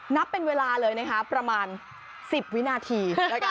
นับเป็นเวลาเลยนะคะประมาณ๑๐วินาที